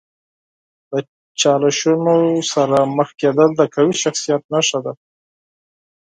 د چالشونو سره مخ کیدل د قوي شخصیت نښه ده.